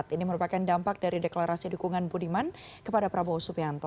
ini merupakan dampak dari deklarasi dukungan budiman kepada prabowo subianto